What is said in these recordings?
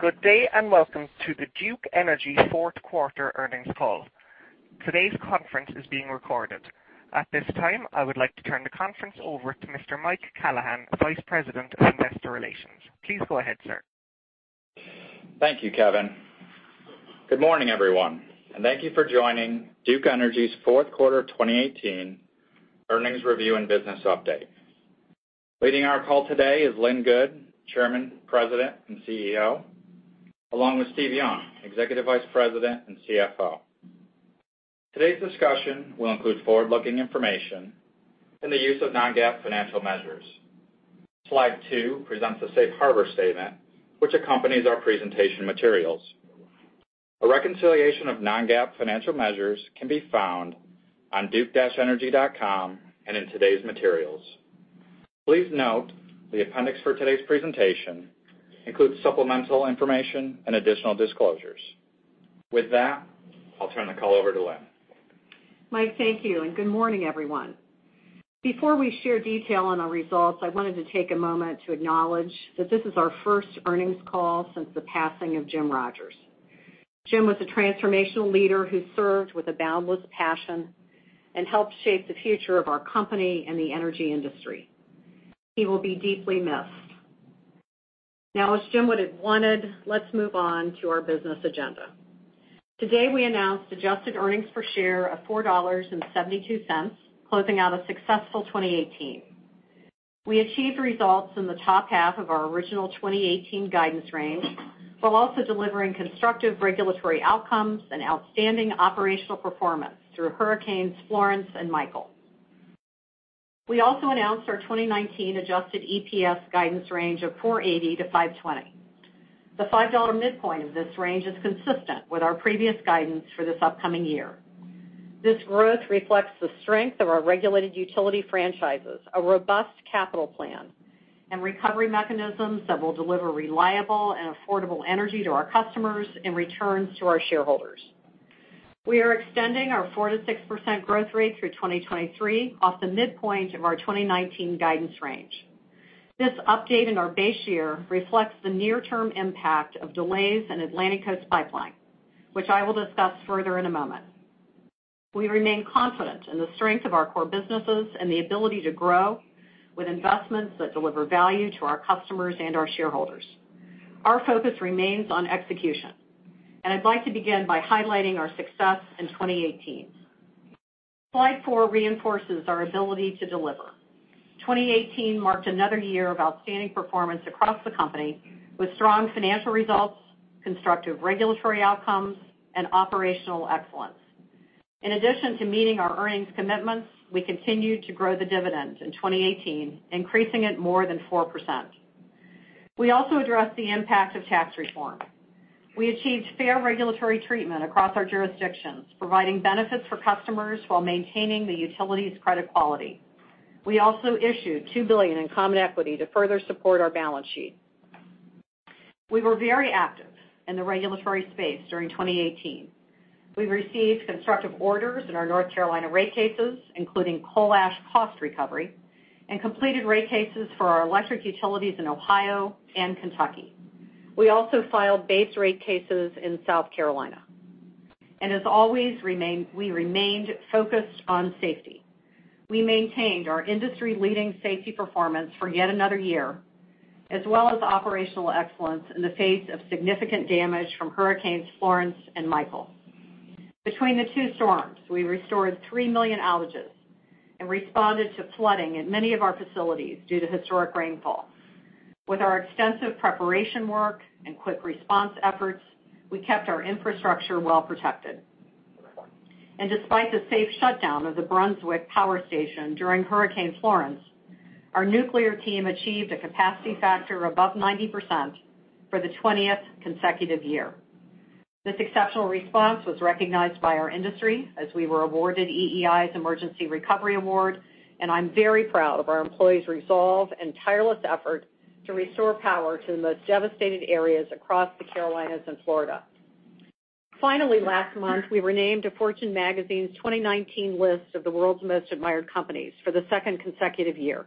Good day, welcome to the Duke Energy fourth quarter earnings call. Today's conference is being recorded. At this time, I would like to turn the conference over to Mr. Mike Callahan, vice president of investor relations. Please go ahead, sir. Thank you, Kevin. Good morning, everyone, thank you for joining Duke Energy's fourth quarter 2018 earnings review and business update. Leading our call today is Lynn Good, Chairman, President, and CEO, along with Steve Young, Executive Vice President and CFO. Today's discussion will include forward-looking information and the use of non-GAAP financial measures. Slide two presents the safe harbor statement which accompanies our presentation materials. A reconciliation of non-GAAP financial measures can be found on duke-energy.com and in today's materials. Please note the appendix for today's presentation includes supplemental information and additional disclosures. With that, I'll turn the call over to Lynn. Mike, thank you, good morning, everyone. Before we share detail on our results, I wanted to take a moment to acknowledge that this is our first earnings call since the passing of Jim Rogers. Jim was a transformational leader who served with a boundless passion and helped shape the future of our company and the energy industry. He will be deeply missed. Now, as Jim would have wanted, let's move on to our business agenda. Today, we announced adjusted earnings per share of $4.72, closing out a successful 2018. We achieved results in the top half of our original 2018 guidance range, while also delivering constructive regulatory outcomes and outstanding operational performance through hurricanes Florence and Michael. We also announced our 2019 adjusted EPS guidance range of $4.80-$5.20. The $5 midpoint of this range is consistent with our previous guidance for this upcoming year. This growth reflects the strength of our regulated utility franchises, a robust capital plan, and recovery mechanisms that will deliver reliable and affordable energy to our customers and returns to our shareholders. We are extending our 4%-6% growth rate through 2023 off the midpoint of our 2019 guidance range. This update in our base year reflects the near-term impact of delays in Atlantic Coast Pipeline, which I will discuss further in a moment. We remain confident in the strength of our core businesses and the ability to grow with investments that deliver value to our customers and our shareholders. Our focus remains on execution, and I'd like to begin by highlighting our success in 2018. Slide four reinforces our ability to deliver. 2018 marked another year of outstanding performance across the company, with strong financial results, constructive regulatory outcomes, and operational excellence. In addition to meeting our earnings commitments, we continued to grow the dividend in 2018, increasing it more than 4%. We also addressed the impact of tax reform. We achieved fair regulatory treatment across our jurisdictions, providing benefits for customers while maintaining the utility's credit quality. We also issued $2 billion in common equity to further support our balance sheet. We were very active in the regulatory space during 2018. We received constructive orders in our North Carolina rate cases, including coal ash cost recovery, and completed rate cases for our electric utilities in Ohio and Kentucky. We also filed base rate cases in South Carolina. As always, we remained focused on safety. We maintained our industry-leading safety performance for yet another year, as well as operational excellence in the face of significant damage from Hurricane Florence and Hurricane Michael. Between the two storms, we restored 3 million outages and responded to flooding in many of our facilities due to historic rainfall. With our extensive preparation work and quick response efforts, we kept our infrastructure well-protected. Despite the safe shutdown of the Brunswick Power Station during Hurricane Florence, our nuclear team achieved a capacity factor above 90% for the 20th consecutive year. This exceptional response was recognized by our industry as we were awarded EEI's Emergency Recovery Award, and I'm very proud of our employees' resolve and tireless effort to restore power to the most devastated areas across the Carolinas and Florida. Finally, last month, we were named to Fortune Magazine's 2019 list of the World's Most Admired Companies for the second consecutive year,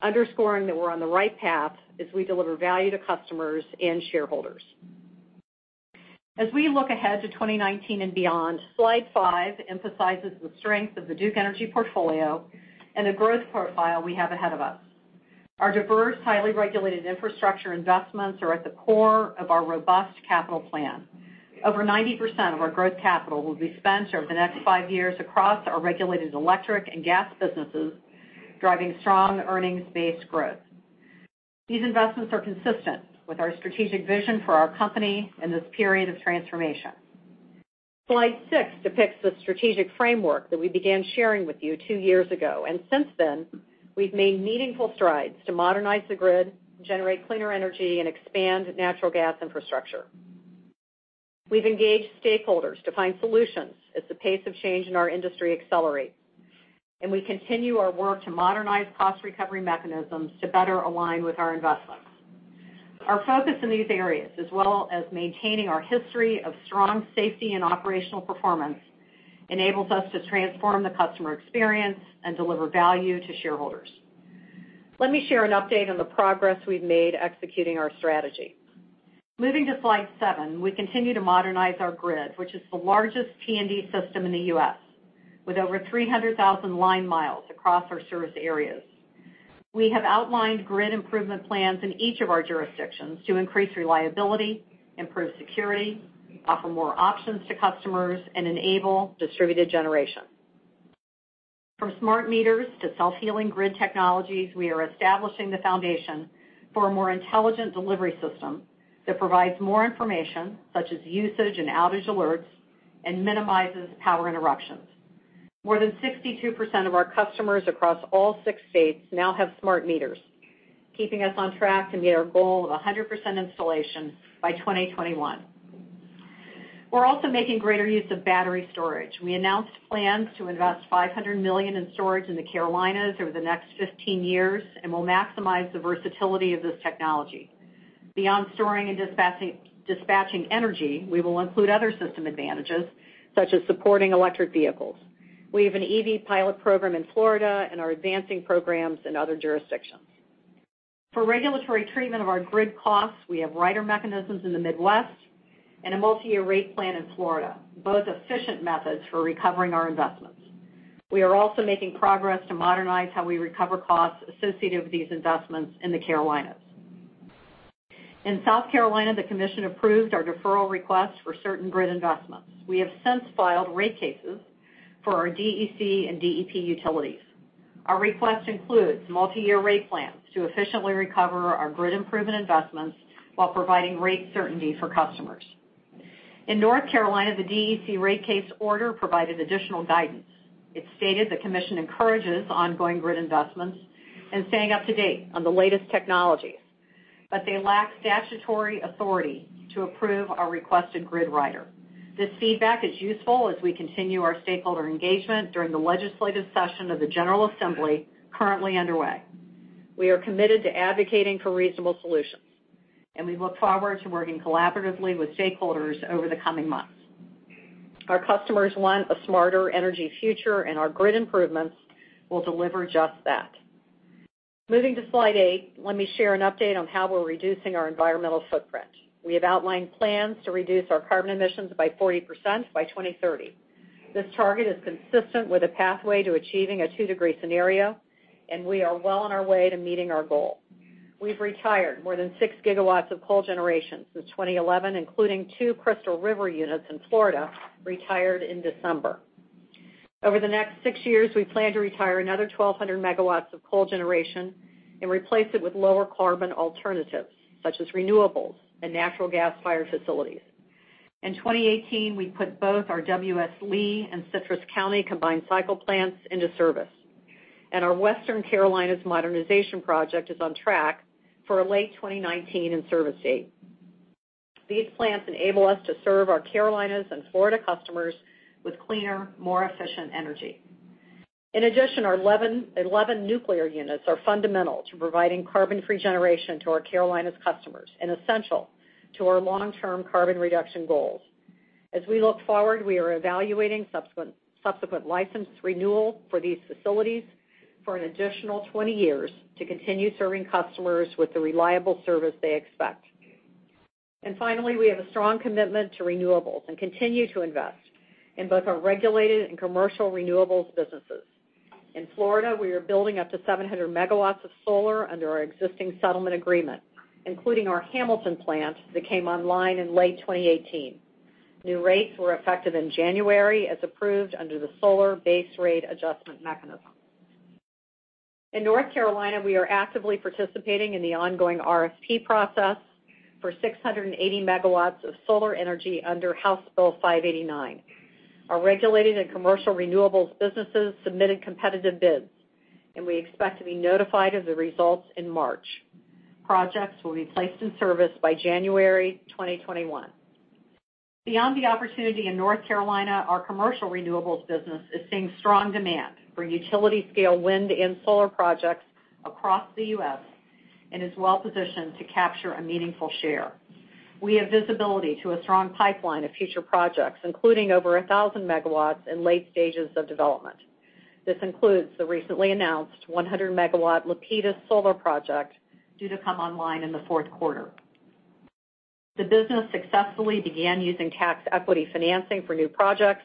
underscoring that we're on the right path as we deliver value to customers and shareholders. As we look ahead to 2019 and beyond, slide five emphasizes the strength of the Duke Energy portfolio and the growth profile we have ahead of us. Our diverse, highly regulated infrastructure investments are at the core of our robust capital plan. Over 90% of our growth capital will be spent over the next five years across our regulated electric and gas businesses, driving strong earnings-based growth. These investments are consistent with our strategic vision for our company in this period of transformation. Slide six depicts the strategic framework that we began sharing with you two years ago. Since then, we've made meaningful strides to modernize the grid, generate cleaner energy, and expand natural gas infrastructure. We've engaged stakeholders to find solutions as the pace of change in our industry accelerates. We continue our work to modernize cost recovery mechanisms to better align with our investments. Our focus in these areas, as well as maintaining our history of strong safety and operational performance, enables us to transform the customer experience and deliver value to shareholders. Let me share an update on the progress we've made executing our strategy. Moving to slide seven, we continue to modernize our grid, which is the largest T&D system in the U.S., with over 300,000 line miles across our service areas. We have outlined grid improvement plans in each of our jurisdictions to increase reliability, improve security, offer more options to customers, and enable distributed generation. From smart meters to self-healing grid technologies, we are establishing the foundation for a more intelligent delivery system that provides more information, such as usage and outage alerts, and minimizes power interruptions. More than 62% of our customers across all six states now have smart meters, keeping us on track to meet our goal of 100% installation by 2021. We're also making greater use of battery storage. We announced plans to invest $500 million in storage in the Carolinas over the next 15 years, and we'll maximize the versatility of this technology. Beyond storing and dispatching energy, we will include other system advantages, such as supporting electric vehicles. We have an EV pilot program in Florida and are advancing programs in other jurisdictions. For regulatory treatment of our grid costs, we have rider mechanisms in the Midwest and a multi-year rate plan in Florida, both efficient methods for recovering our investments. We are also making progress to modernize how we recover costs associated with these investments in the Carolinas. In South Carolina, the commission approved our deferral request for certain grid investments. We have since filed rate cases for our DEC and DEP utilities. Our request includes multi-year rate plans to efficiently recover our grid improvement investments while providing rate certainty for customers. In North Carolina, the DEC rate case order provided additional guidance. It stated the commission encourages ongoing grid investments and staying up to date on the latest technologies, but they lack statutory authority to approve our requested grid rider. This feedback is useful as we continue our stakeholder engagement during the legislative session of the General Assembly currently underway. We are committed to advocating for reasonable solutions, and we look forward to working collaboratively with stakeholders over the coming months. Our customers want a smarter energy future, and our grid improvements will deliver just that. Moving to slide eight, let me share an update on how we're reducing our environmental footprint. We have outlined plans to reduce our carbon emissions by 40% by 2030. This target is consistent with a pathway to achieving a two-degree scenario, and we are well on our way to meeting our goal. We've retired more than six gigawatts of coal generation since 2011, including two Crystal River units in Florida retired in December. Over the next six years, we plan to retire another 1,200 megawatts of coal generation and replace it with lower carbon alternatives, such as renewables and natural gas fire facilities. In 2018, we put both our W.S. Lee and Citrus County combined cycle plants into service, and our Western Carolinas modernization project is on track for a late 2019 in-service date. These plants enable us to serve our Carolinas and Florida customers with cleaner, more efficient energy. In addition, our 11 nuclear units are fundamental to providing carbon-free generation to our Carolinas customers and essential to our long-term carbon reduction goals. As we look forward, we are evaluating subsequent license renewal for these facilities for an additional 20 years to continue serving customers with the reliable service they expect. Finally, we have a strong commitment to renewables and continue to invest in both our regulated and commercial renewables businesses. In Florida, we are building up to 700 megawatts of solar under our existing settlement agreement, including our Hamilton plant that came online in late 2018. New rates were effective in January as approved under the Solar Base Rate Adjustment mechanism. In North Carolina, we are actively participating in the ongoing RFP process for 680 megawatts of solar energy under House Bill 589. Our regulated and commercial renewables businesses submitted competitive bids. We expect to be notified of the results in March. Projects will be placed in service by January 2021. Beyond the opportunity in North Carolina, our commercial renewables business is seeing strong demand for utility-scale wind and solar projects across the U.S. and is well-positioned to capture a meaningful share. We have visibility to a strong pipeline of future projects, including over 1,000 megawatts in late stages of development. This includes the recently announced 100-megawatt Lopeti Solar project due to come online in the fourth quarter. The business successfully began using tax equity financing for new projects,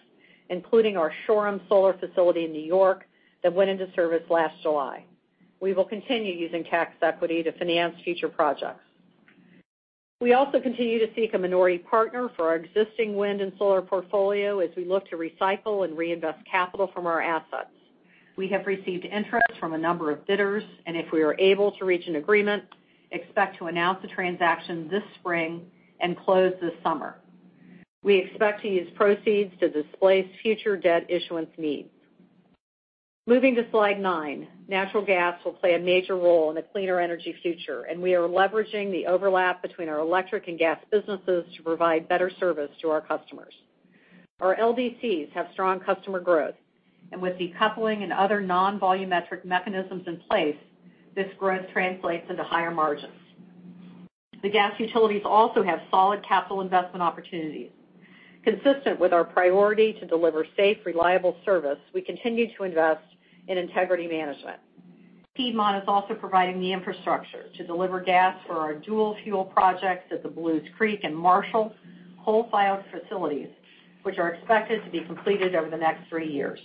including our Shoreham Solar facility in New York that went into service last July. We will continue using tax equity to finance future projects. We also continue to seek a minority partner for our existing wind and solar portfolio as we look to recycle and reinvest capital from our assets. We have received interest from a number of bidders. If we are able to reach an agreement, expect to announce the transaction this spring and close this summer. We expect to use proceeds to displace future debt issuance needs. Moving to slide nine. Natural gas will play a major role in a cleaner energy future. We are leveraging the overlap between our electric and gas businesses to provide better service to our customers. Our LDCs have strong customer growth, and with decoupling and other non-volumetric mechanisms in place, this growth translates into higher margins. The gas utilities also have solid capital investment opportunities. Consistent with our priority to deliver safe, reliable service, we continue to invest in integrity management. Piedmont is also providing the infrastructure to deliver gas for our dual fuel projects at the Belews Creek and Marshall coal-fired facilities, which are expected to be completed over the next three years.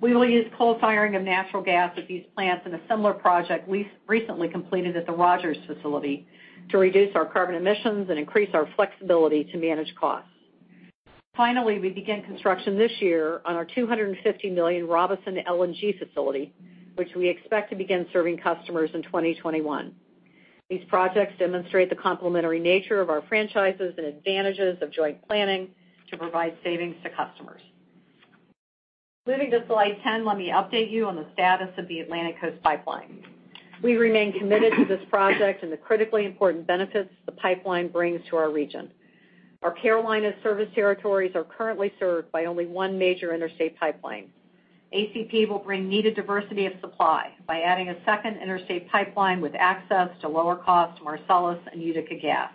We will use co-firing of natural gas at these plants in a similar project we recently completed at the Rogers facility to reduce our carbon emissions and increase our flexibility to manage costs. Finally, we began construction this year on our $250 million Robeson LNG facility, which we expect to begin serving customers in 2021. These projects demonstrate the complementary nature of our franchises and advantages of joint planning to provide savings to customers. Moving to slide 10, let me update you on the status of the Atlantic Coast Pipeline. We remain committed to this project and the critically important benefits the pipeline brings to our region. Our Carolina service territories are currently served by only one major interstate pipeline. ACP will bring needed diversity of supply by adding a second interstate pipeline with access to lower cost Marcellus and Utica gas.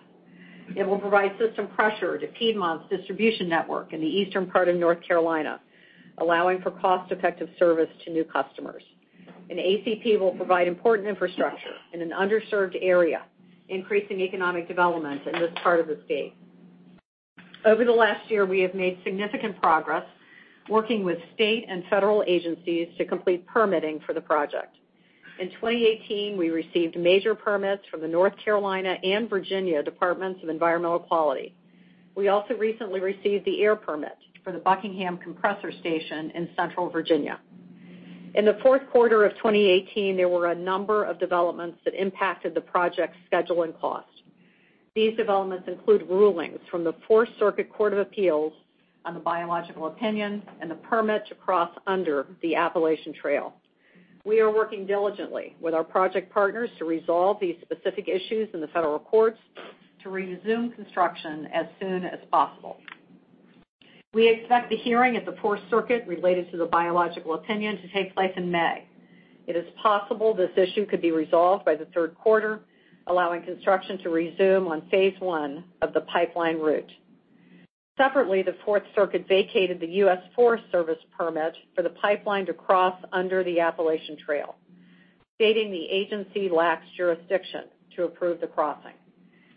It will provide system pressure to Piedmont's distribution network in the eastern part of North Carolina, allowing for cost-effective service to new customers. ACP will provide important infrastructure in an underserved area, increasing economic development in this part of the state. Over the last year, we have made significant progress working with state and federal agencies to complete permitting for the project. In 2018, we received major permits from the North Carolina and Virginia Departments of Environmental Quality. We also recently received the air permit for the Buckingham Compressor Station in central Virginia. In the fourth quarter of 2018, there were a number of developments that impacted the project's schedule and cost. These developments include rulings from the Fourth Circuit Court of Appeals on the biological opinion and the permit to cross under the Appalachian Trail. We are working diligently with our project partners to resolve these specific issues in the federal courts to resume construction as soon as possible. We expect the hearing at the Fourth Circuit related to the biological opinion to take place in May. It is possible this issue could be resolved by the third quarter, allowing construction to resume on phase one of the pipeline route. Separately, the Fourth Circuit vacated the U.S. Forest Service permit for the pipeline to cross under the Appalachian Trail, stating the agency lacks jurisdiction to approve the crossing.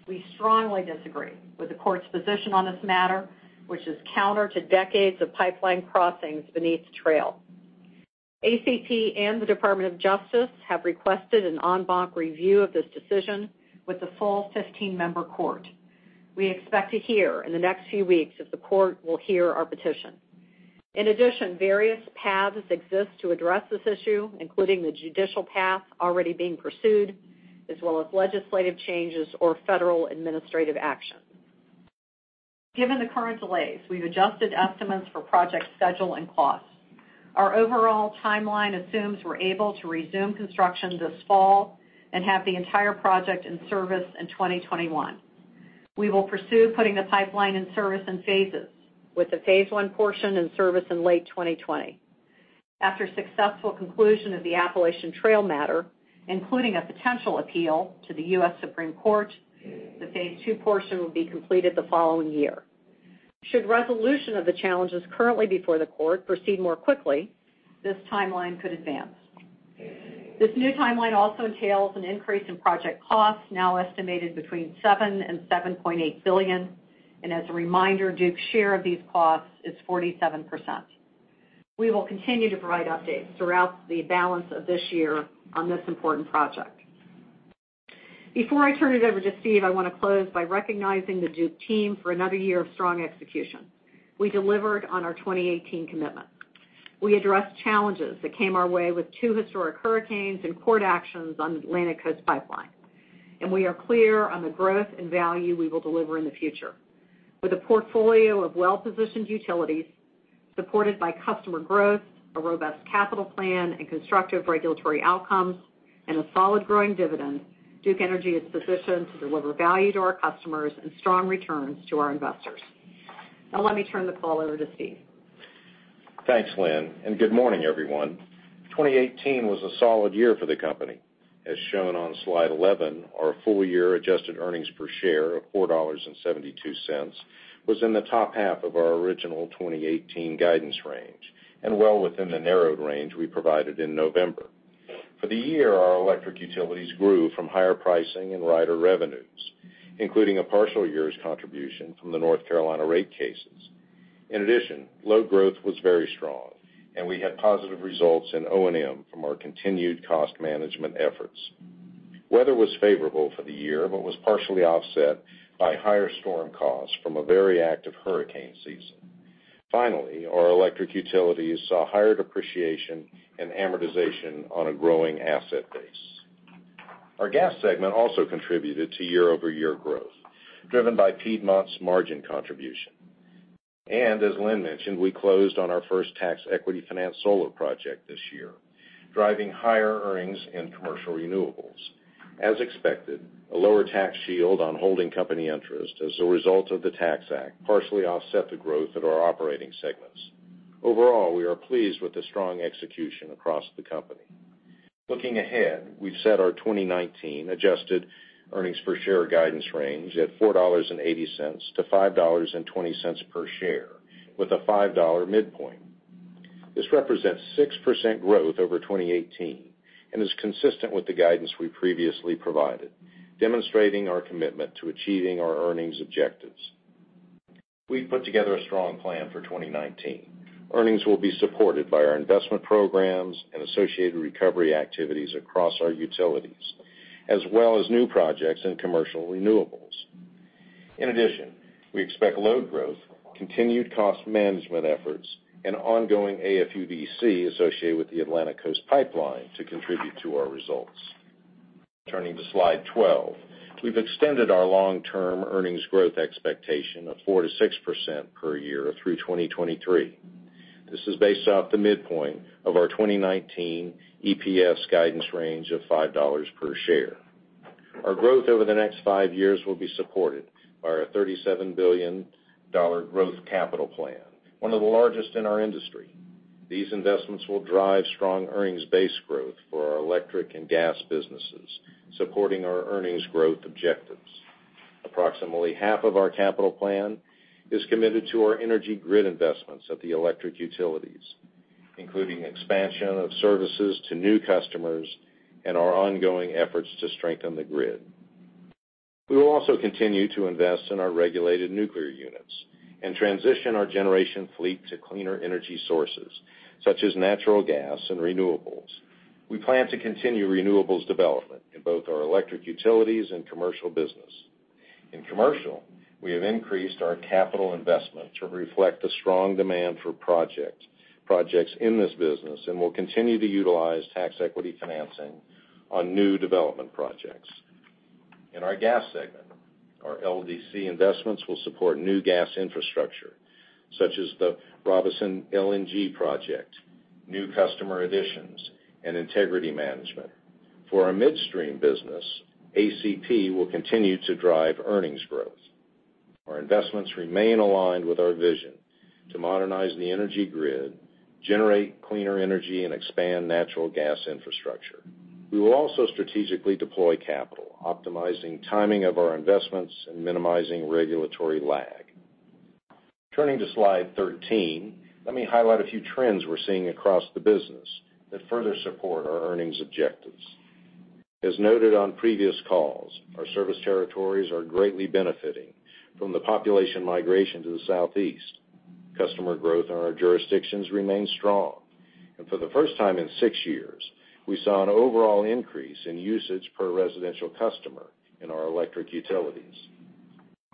We strongly disagree with the court's position on this matter, which is counter to decades of pipeline crossings beneath the trail. ACP and the Department of Justice have requested an en banc review of this decision with the full 15-member court. We expect to hear in the next few weeks if the court will hear our petition. In addition, various paths exist to address this issue, including the judicial path already being pursued, as well as legislative changes or federal administrative action. Given the current delays, we've adjusted estimates for project schedule and costs. Our overall timeline assumes we're able to resume construction this fall and have the entire project in service in 2021. We will pursue putting the pipeline in service in phases, with the phase one portion in service in late 2020. After successful conclusion of the Appalachian Trail matter, including a potential appeal to the U.S. Supreme Court, the phase two portion will be completed the following year. Should resolution of the challenges currently before the court proceed more quickly, this timeline could advance. This new timeline also entails an increase in project costs, now estimated between $7 billion and $7.8 billion. As a reminder, Duke's share of these costs is 47%. We will continue to provide updates throughout the balance of this year on this important project. Before I turn it over to Steve, I want to close by recognizing the Duke team for another year of strong execution. We delivered on our 2018 commitment. We addressed challenges that came our way with two historic hurricanes and court actions on the Atlantic Coast Pipeline. We are clear on the growth and value we will deliver in the future. With a portfolio of well-positioned utilities, supported by customer growth, a robust capital plan, and constructive regulatory outcomes, and a solid growing dividend, Duke Energy is positioned to deliver value to our customers and strong returns to our investors. Let me turn the call over to Steve. Thanks, Lynn, and good morning, everyone. 2018 was a solid year for the company. As shown on slide 11, our full-year adjusted earnings per share of $4.72 was in the top half of our original 2018 guidance range and well within the narrowed range we provided in November. For the year, our electric utilities grew from higher pricing and rider revenues, including a partial year's contribution from the North Carolina rate cases. In addition, load growth was very strong, and we had positive results in O&M from our continued cost management efforts. Weather was favorable for the year, but was partially offset by higher storm costs from a very active hurricane season. Finally, our electric utilities saw higher depreciation and amortization on a growing asset base. Our gas segment also contributed to year-over-year growth, driven by Piedmont's margin contribution. As Lynn mentioned, we closed on our first tax equity finance solar project this year, driving higher earnings in commercial renewables. As expected, a lower tax shield on holding company interest as a result of the Tax Act partially offset the growth at our operating segments. Overall, we are pleased with the strong execution across the company. Looking ahead, we've set our 2019 adjusted earnings per share guidance range at $4.80 to $5.20 per share with a $5 midpoint. This represents 6% growth over 2018 and is consistent with the guidance we previously provided, demonstrating our commitment to achieving our earnings objectives. We've put together a strong plan for 2019. Earnings will be supported by our investment programs and associated recovery activities across our utilities, as well as new projects in commercial renewables. In addition, we expect load growth, continued cost management efforts, and ongoing AFUDC associated with the Atlantic Coast Pipeline to contribute to our results. Turning to slide 12. We've extended our long-term earnings growth expectation of 4%-6% per year through 2023. This is based off the midpoint of our 2019 EPS guidance range of $5 per share. Our growth over the next five years will be supported by our $37 billion growth capital plan, one of the largest in our industry. These investments will drive strong earnings base growth for our electric and gas businesses, supporting our earnings growth objectives. Approximately half of our capital plan is committed to our energy grid investments at the electric utilities, including expansion of services to new customers and our ongoing efforts to strengthen the grid. We will also continue to invest in our regulated nuclear units and transition our generation fleet to cleaner energy sources, such as natural gas and renewables. We plan to continue renewables development in both our electric utilities and commercial business. In commercial, we have increased our capital investment to reflect the strong demand for projects in this business and will continue to utilize tax equity financing on new development projects. In our gas segment, our LDC investments will support new gas infrastructure, such as the Robeson LNG project, new customer additions, and integrity management. For our midstream business, ACP will continue to drive earnings growth. Our investments remain aligned with our vision to modernize the energy grid, generate cleaner energy, and expand natural gas infrastructure. We will also strategically deploy capital, optimizing timing of our investments and minimizing regulatory lag. Turning to slide 13. Let me highlight a few trends we're seeing across the business that further support our earnings objectives. As noted on previous calls, our service territories are greatly benefiting from the population migration to the Southeast. Customer growth in our jurisdictions remains strong. For the first time in 6 years, we saw an overall increase in usage per residential customer in our electric utilities.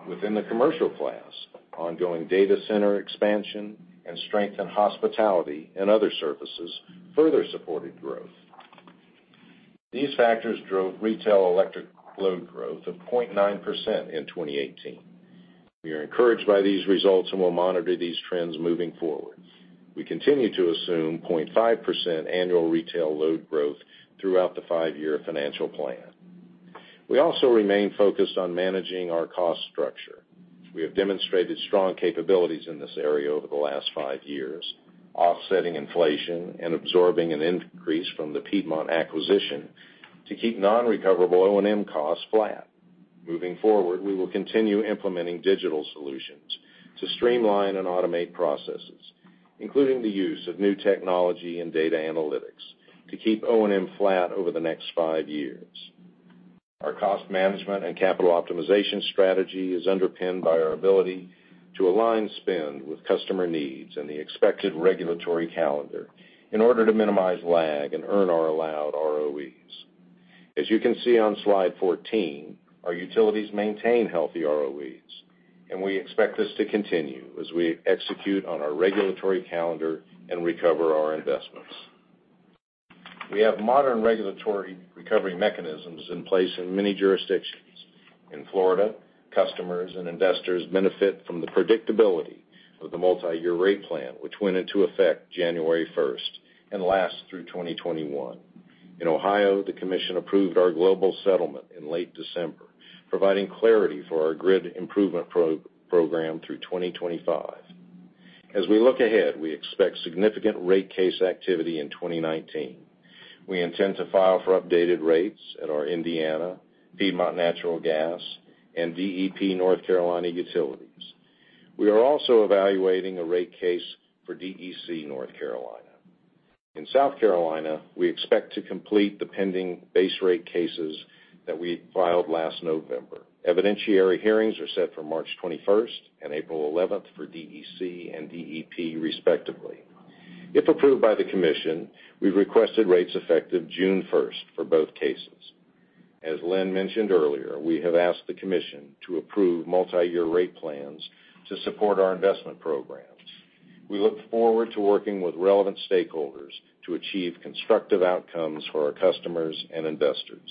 Within the commercial class, ongoing data center expansion and strength in hospitality and other services further supported growth. These factors drove retail electric load growth of 0.9% in 2018. We are encouraged by these results and will monitor these trends moving forward. We continue to assume 0.5% annual retail load growth throughout the 5-year financial plan. We also remain focused on managing our cost structure. We have demonstrated strong capabilities in this area over the last 5 years, offsetting inflation and absorbing an increase from the Piedmont acquisition to keep non-recoverable O&M costs flat. Moving forward, we will continue implementing digital solutions to streamline and automate processes, including the use of new technology and data analytics to keep O&M flat over the next 5 years. Our cost management and capital optimization strategy is underpinned by our ability to align spend with customer needs and the expected regulatory calendar in order to minimize lag and earn our allowed ROEs. As you can see on slide 14, our utilities maintain healthy ROEs, and we expect this to continue as we execute on our regulatory calendar and recover our investments. We have modern regulatory recovery mechanisms in place in many jurisdictions. In Florida, customers and investors benefit from the predictability of the multi-year rate plan, which went into effect January 1st and lasts through 2021. In Ohio, the commission approved our global settlement in late December, providing clarity for our grid improvement program through 2025. As we look ahead, we expect significant rate case activity in 2019. We intend to file for updated rates at our Indiana, Piedmont Natural Gas, and DEP North Carolina utilities. We are also evaluating a rate case for DEC North Carolina. In South Carolina, we expect to complete the pending base rate cases that we filed last November. Evidentiary hearings are set for March 21st and April 11th for DEC and DEP, respectively. If approved by the commission, we've requested rates effective June 1st for both cases. As Lynn mentioned earlier, we have asked the commission to approve multi-year rate plans to support our investment programs. We look forward to working with relevant stakeholders to achieve constructive outcomes for our customers and investors.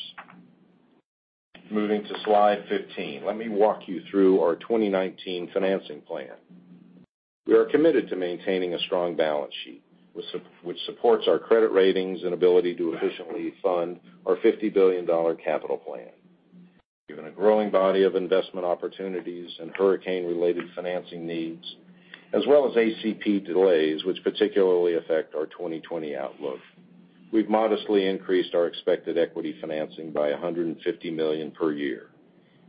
Moving to slide 15. Let me walk you through our 2019 financing plan. We are committed to maintaining a strong balance sheet, which supports our credit ratings and ability to efficiently fund our $50 billion capital plan. Given a growing body of investment opportunities and hurricane-related financing needs, as well as ACP delays, which particularly affect our 2020 outlook, we've modestly increased our expected equity financing by $150 million per year.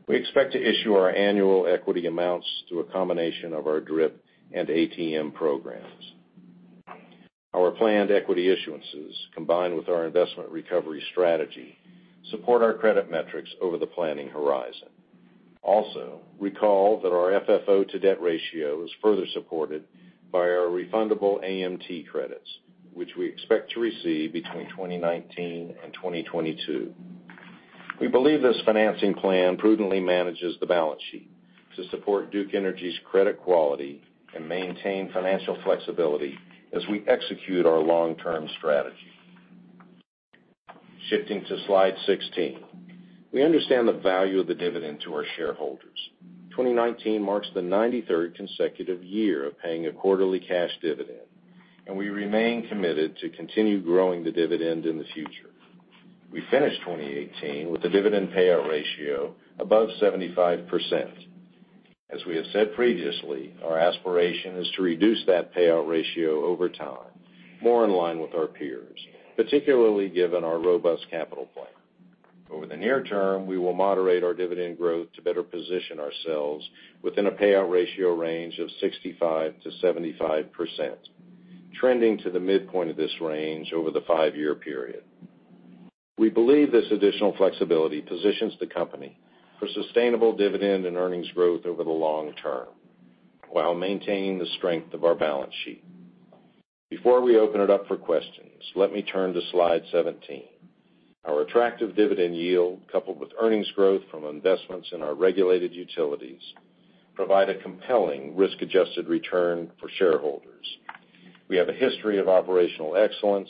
We expect to issue our annual equity amounts through a combination of our DRIP and ATM programs. Our planned equity issuances, combined with our investment recovery strategy, support our credit metrics over the planning horizon. Also, recall that our FFO-to-debt ratio is further supported by our refundable AMT credits, which we expect to receive between 2019 and 2022. We believe this financing plan prudently manages the balance sheet to support Duke Energy's credit quality and maintain financial flexibility as we execute our long-term strategy. Shifting to slide 16. We understand the value of the dividend to our shareholders. 2019 marks the 93rd consecutive year of paying a quarterly cash dividend, and we remain committed to continue growing the dividend in the future. We finished 2018 with a dividend payout ratio above 75%. As we have said previously, our aspiration is to reduce that payout ratio over time, more in line with our peers, particularly given our robust capital plan. Over the near term, we will moderate our dividend growth to better position ourselves within a payout ratio range of 65%-75%, trending to the midpoint of this range over the five-year period. We believe this additional flexibility positions the company for sustainable dividend and earnings growth over the long term while maintaining the strength of our balance sheet. Before we open it up for questions, let me turn to slide 17. Our attractive dividend yield, coupled with earnings growth from investments in our regulated utilities, provide a compelling risk-adjusted return for shareholders. We have a history of operational excellence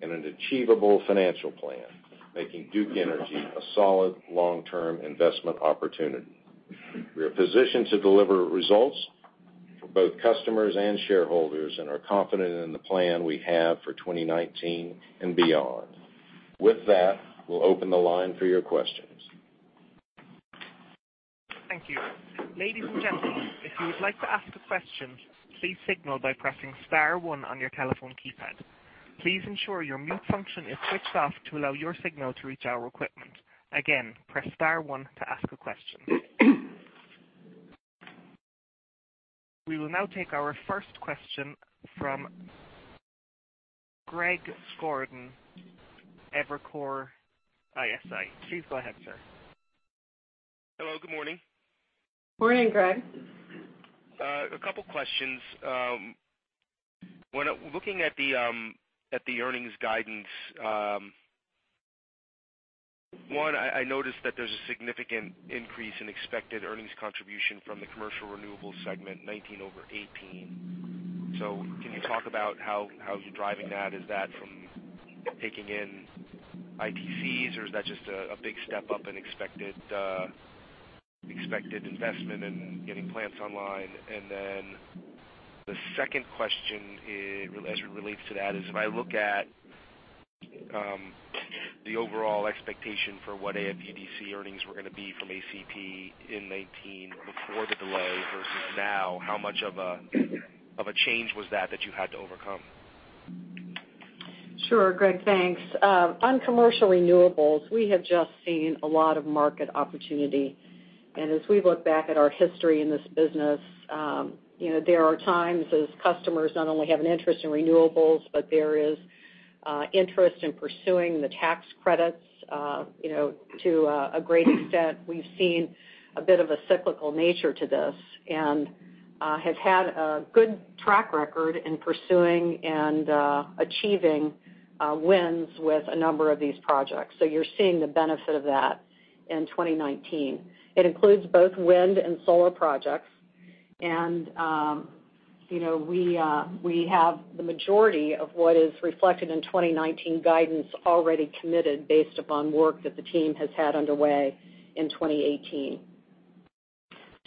and an achievable financial plan, making Duke Energy a solid long-term investment opportunity. We are positioned to deliver results for both customers and shareholders and are confident in the plan we have for 2019 and beyond. With that, we'll open the line for your questions. Thank you. Ladies and gentlemen, if you would like to ask a question, please signal by pressing star one on your telephone keypad. Please ensure your mute function is switched off to allow your signal to reach our equipment. Again, press star one to ask a question. We will now take our first question from Greg Gordon, Evercore ISI. Please go ahead, sir. Hello. Good morning. Morning, Greg. A couple questions. Looking at the earnings guidance, one, I noticed that there's a significant increase in expected earnings contribution from the commercial renewables segment, 2019 over 2018. Can you talk about how you're driving that? Is that from taking in ITCs or is that just a big step up in expected investment and getting plants online? The second question as it relates to that is, if I look at the overall expectation for what AFUDC earnings were going to be from ACP in 2019 before the delay versus now, how much of a change was that that you had to overcome? Sure, Greg, thanks. On commercial renewables, we have just seen a lot of market opportunity. As we look back at our history in this business, there are times as customers not only have an interest in renewables, but there is interest in pursuing the tax credits. To a great extent, we've seen a bit of a cyclical nature to this and have had a good track record in pursuing and achieving wins with a number of these projects. You're seeing the benefit of that in 2019. It includes both wind and solar projects. We have the majority of what is reflected in 2019 guidance already committed based upon work that the team has had underway in 2018.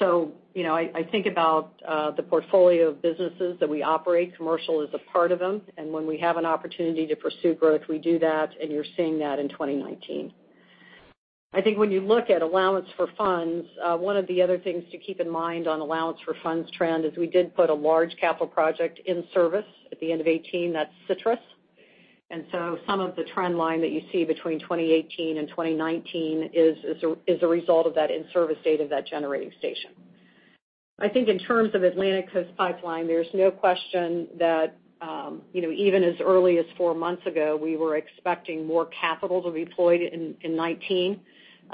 I think about the portfolio of businesses that we operate, commercial is a part of them, and when we have an opportunity to pursue growth, we do that, and you're seeing that in 2019. I think when you look at allowance for funds, one of the other things to keep in mind on allowance for funds trend is we did put a large capital project in service at the end of 2018, that's Citrus. Some of the trend line that you see between 2018 and 2019 is a result of that in-service date of that generating station. I think in terms of Atlantic Coast Pipeline, there's no question that even as early as four months ago, we were expecting more capital to be deployed in 2019.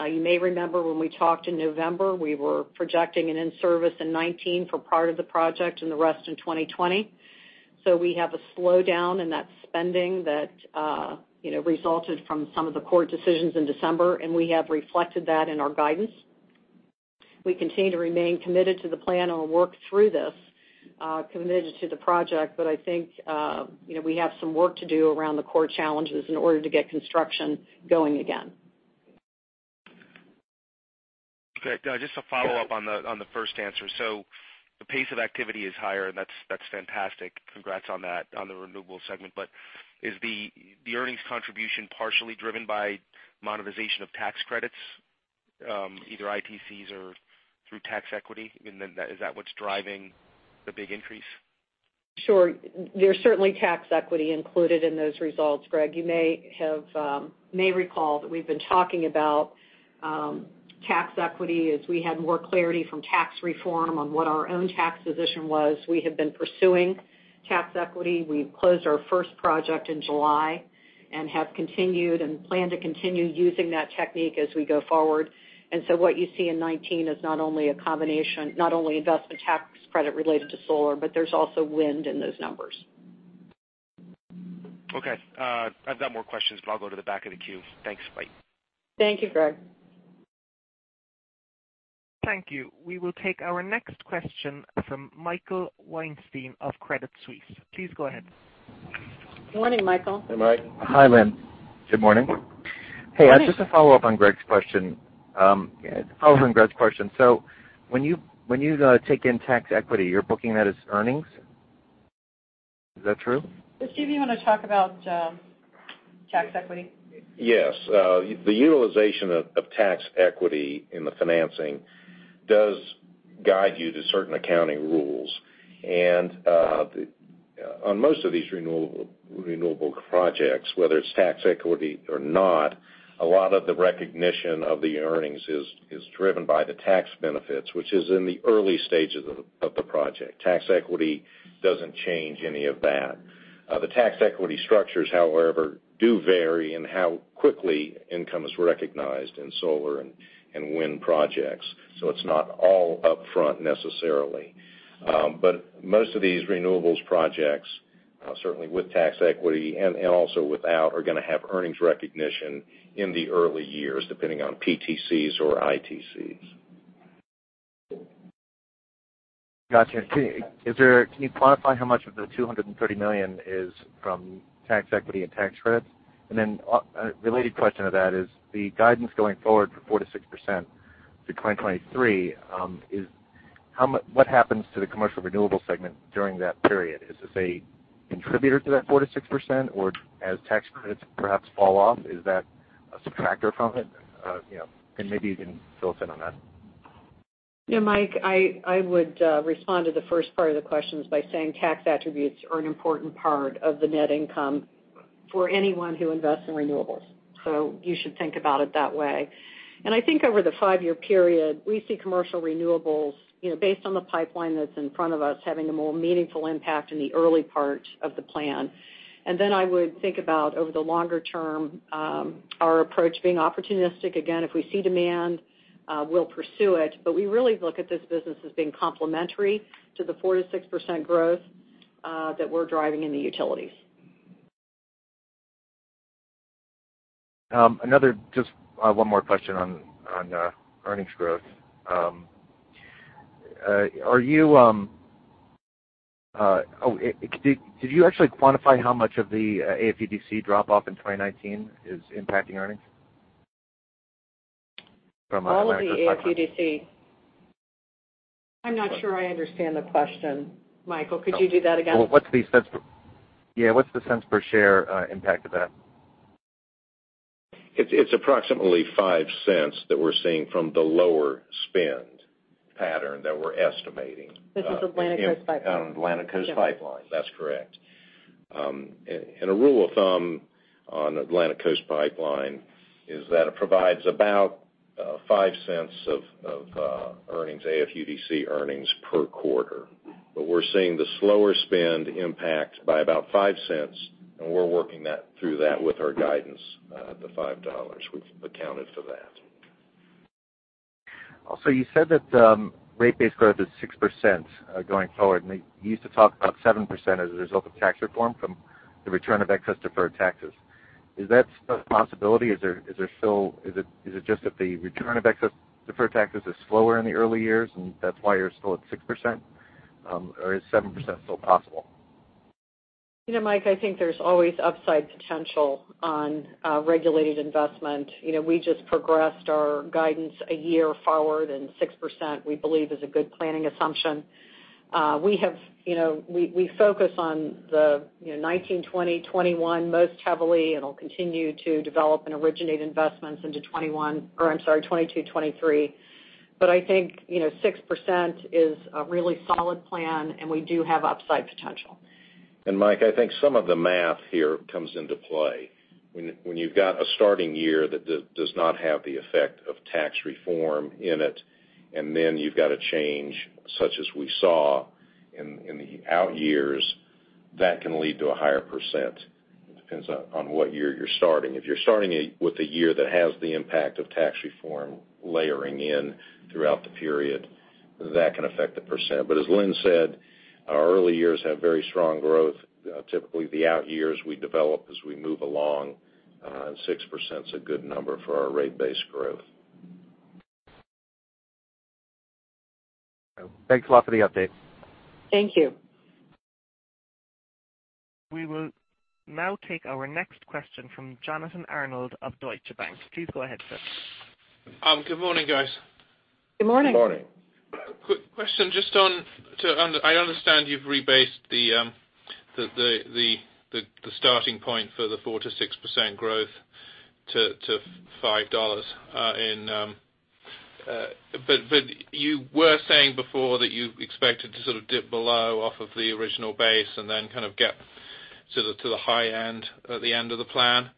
You may remember when we talked in November, we were projecting an in-service in 2019 for part of the project and the rest in 2020. We have a slowdown in that spending that resulted from some of the court decisions in December, and we have reflected that in our guidance. We continue to remain committed to the plan and will work through this, committed to the project, I think we have some work to do around the core challenges in order to get construction going again. Okay. Just a follow-up on the first answer. The pace of activity is higher and that's fantastic. Congrats on that on the renewable segment. Is the earnings contribution partially driven by monetization of tax credits, either ITCs or through tax equity? Is that what's driving the big increase? Sure. There's certainly tax equity included in those results, Greg. You may recall that we've been talking about tax equity as we had more clarity from tax reform on what our own tax position was. We have been pursuing tax equity. We closed our first project in July and have continued and plan to continue using that technique as we go forward. What you see in 2019 is not only investment tax credit related to solar, but there's also wind in those numbers. Okay. I've got more questions, I'll go to the back of the queue. Thanks. Bye. Thank you, Greg. Thank you. We will take our next question from Michael Weinstein of Credit Suisse. Please go ahead. Good morning, Michael. Hey, Mike. Hi, Lynn. Good morning. Good morning. Hey, just a follow-up on Greg's question. When you take in tax equity, you're booking that as earnings. Is that true? Steve, you want to talk about tax equity? Yes. The utilization of tax equity in the financing does guide you to certain accounting rules. On most of these renewable projects, whether it's tax equity or not, a lot of the recognition of the earnings is driven by the tax benefits, which is in the early stages of the project. Tax equity doesn't change any of that. The tax equity structures, however, do vary in how quickly income is recognized in solar and wind projects. It's not all upfront necessarily. Most of these renewables projects, certainly with tax equity and also without, are going to have earnings recognition in the early years, depending on PTCs or ITCs. Got you. Can you quantify how much of the $230 million is from tax equity and tax credits? A related question to that is the guidance going forward for 4%-6% through 2023, what happens to the commercial renewable segment during that period? Is this a contributor to that 4%-6%, or as tax credits perhaps fall off, is that a subtractor from it? Maybe you can fill us in on that. Mike, I would respond to the first part of the questions by saying tax attributes are an important part of the net income for anyone who invests in renewables. You should think about it that way. I think over the five-year period, we see commercial renewables, based on the pipeline that's in front of us, having a more meaningful impact in the early part of the plan. Then I would think about over the longer term, our approach being opportunistic. Again, if we see demand, we'll pursue it. We really look at this business as being complementary to the 4%-6% growth that we're driving in the utilities. Just one more question on earnings growth. Did you actually quantify how much of the AFUDC drop off in 2019 is impacting earnings? All of the AFUDC. I'm not sure I understand the question, Michael. Could you do that again? Yeah. What's the cents per share impact of that? It's approximately $0.05 that we're seeing from the lower spend pattern that we're estimating. This is Atlantic Coast Pipeline. On Atlantic Coast Pipeline. That's correct. A rule of thumb on Atlantic Coast Pipeline is that it provides about $0.05 of AFUDC earnings per quarter. We're seeing the slower spend impact by about $0.05, and we're working through that with our guidance, the $5. We've accounted for that. You said that rate base growth is 6% going forward. You used to talk about 7% as a result of tax reform from the return of excess deferred taxes. Is that still a possibility? Is it just that the return of excess deferred taxes is slower in the early years, and that's why you're still at 6%? Is 7% still possible? Mike, I think there's always upside potential on regulated investment. We just progressed our guidance a year forward. 6%, we believe, is a good planning assumption. We focus on the 2019, 2020, 2021 most heavily. We'll continue to develop and originate investments into 2022, 2023. I think 6% is a really solid plan. We do have upside potential. Mike, I think some of the math here comes into play. When you've got a starting year that does not have the effect of tax reform in it, you've got a change such as we saw in the out years, that can lead to a higher %. It depends on what year you're starting. If you're starting with a year that has the impact of tax reform layering in throughout the period, that can affect the %. As Lynn said, our early years have very strong growth. Typically, the out years we develop as we move along. 6%'s a good number for our rate base growth. Thanks a lot for the update. Thank you. We will now take our next question from Jonathan Arnold of Deutsche Bank. Please go ahead, sir. Good morning, guys. Good morning. Good morning. Quick question. I understand you've rebased the starting point for the 4%-6% growth to $5. You were saying before that you expected to sort of dip below off of the original base and then kind of get to the high end at the end of the plan.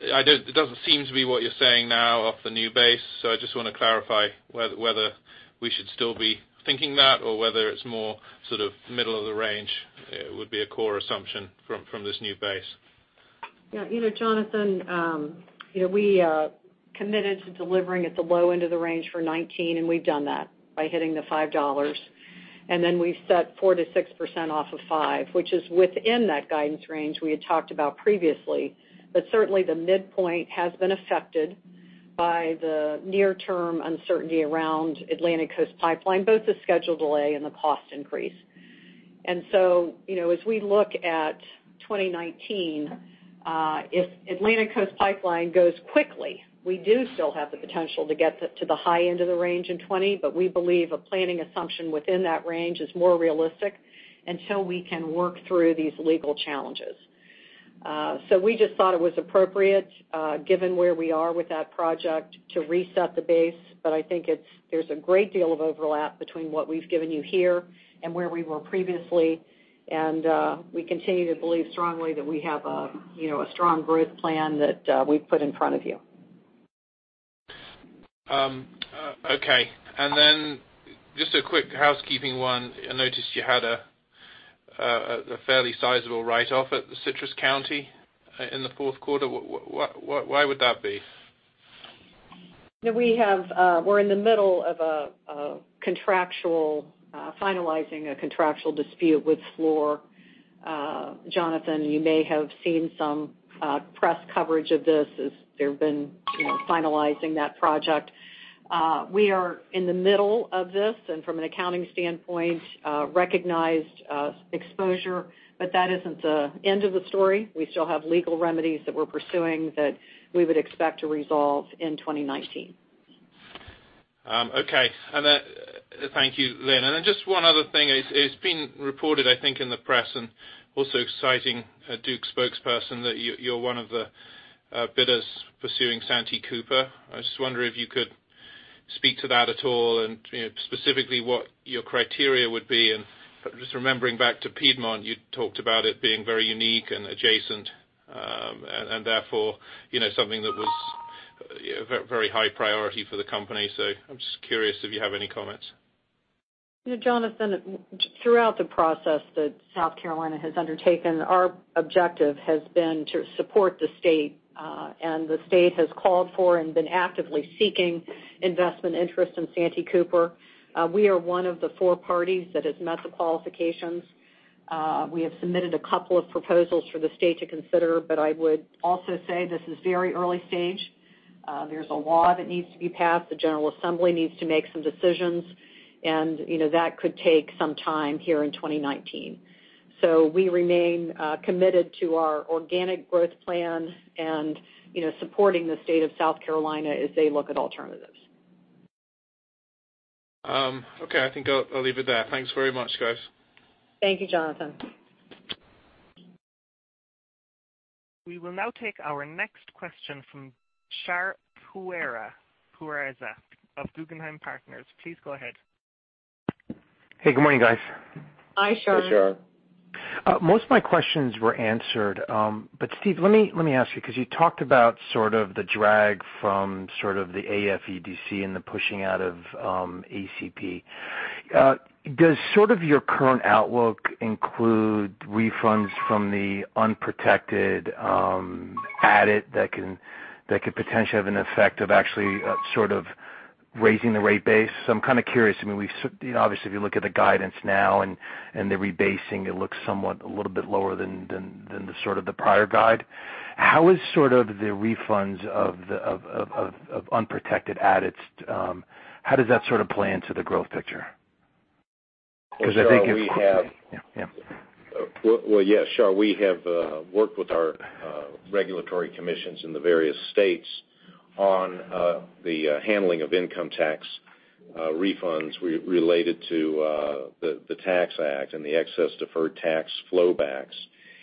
It doesn't seem to be what you're saying now off the new base. I just want to clarify whether we should still be thinking that or whether it's more sort of middle of the range would be a core assumption from this new base. Jonathan, we committed to delivering at the low end of the range for 2019, we've done that by hitting the $5. We've set 4%-6% off of $5, which is within that guidance range we had talked about previously. Certainly, the midpoint has been affected by the near-term uncertainty around Atlantic Coast Pipeline, both the schedule delay and the cost increase. As we look at 2019, if Atlantic Coast Pipeline goes quickly, we do still have the potential to get to the high end of the range in 2020, but we believe a planning assumption within that range is more realistic until we can work through these legal challenges. We just thought it was appropriate given where we are with that project to reset the base. I think there's a great deal of overlap between what we've given you here and where we were previously. We continue to believe strongly that we have a strong growth plan that we've put in front of you. Okay. Just a quick housekeeping one. I noticed you had a fairly sizable write-off at the Citrus County in the fourth quarter. Why would that be? We're in the middle of finalizing a contractual dispute with Fluor. Jonathan, you may have seen some press coverage of this as they've been finalizing that project. We are in the middle of this, and from an accounting standpoint, recognized exposure, but that isn't the end of the story. We still have legal remedies that we're pursuing that we would expect to resolve in 2019. Okay. Thank you, Lynn. Just one other thing. It's been reported, I think, in the press and also citing a Duke spokesperson that you're one of the bidders pursuing Santee Cooper. I just wonder if you could speak to that at all and specifically what your criteria would be. Just remembering back to Piedmont, you talked about it being very unique and adjacent, and therefore something that was very high priority for the company. I'm just curious if you have any comments. Jonathan, throughout the process that South Carolina has undertaken, our objective has been to support the state. The state has called for and been actively seeking investment interest in Santee Cooper. We are one of the four parties that has met the qualifications. We have submitted a couple of proposals for the state to consider, I would also say this is very early stage. There's a law that needs to be passed. The General Assembly needs to make some decisions, and that could take some time here in 2019. We remain committed to our organic growth plan and supporting the state of South Carolina as they look at alternatives. Okay. I think I'll leave it there. Thanks very much, guys. Thank you, Jonathan. We will now take our next question from Shar Pourreza of Guggenheim Partners. Please go ahead. Hey, good morning, guys. Hi, Shar. Hi, Shar. Most of my questions were answered. Steve, let me ask you, because you talked about sort of the drag from sort of the AFUDC and the pushing out of ACP. Does sort of your current outlook include refunds from the unprotected ADIT that could potentially have an effect of actually sort of raising the rate base? I'm kind of curious. Obviously, if you look at the guidance now and the rebasing, it looks somewhat a little bit lower than the sort of the prior guide. How is sort of the refunds of unprotected ADITs, how does that sort of play into the growth picture? Well, yes, Shar. We have worked with our regulatory commissions in the various states on the handling of income tax refunds related to the Tax Act and the excess deferred tax flow backs,